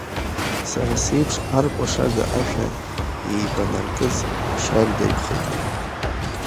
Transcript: Сара сеиԥш аркуашага ашәа еибанаркыз шьардаҩхеит.